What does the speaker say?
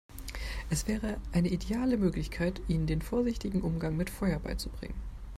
Es wäre eine ideale Möglichkeit, ihnen den vorsichtigen Umgang mit Feuer beizubringen.